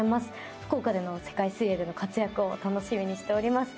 福岡での世界水泳での活躍を楽しみにしております。